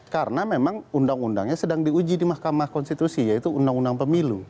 karena memang undang undangnya sedang diuji di mahkamah konstitusi yaitu undang undang pemilu